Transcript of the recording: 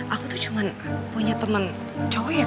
aku tuh cuma punya teman cowok ya